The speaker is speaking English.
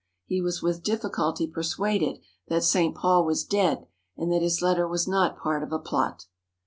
He was with difficulty persuaded that St. Paul was dead and that his letter was not part of a plot.